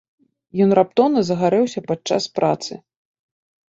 Ён раптоўна загарэўся падчас працы.